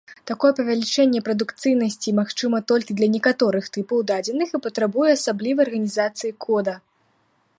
Такое павелічэнне прадукцыйнасці магчыма толькі для некаторых тыпаў дадзеных і патрабуе асаблівай арганізацыі кода.